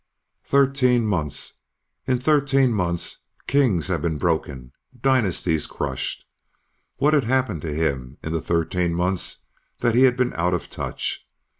Thirteen months! In thirteen months kings have been broken, dynasties crushed ... What had happened to him in the thirteen months that he had been out of touch?